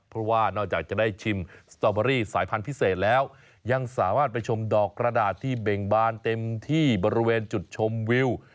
เพราะว่านอกจากจะได้ชิมสตอเบอรี่สายพันธุ์พิเศษแล้วยังสามารถไปชมดอกกระดาษที่เบ่งบานเต็มที่บริเวณจุดชมวิว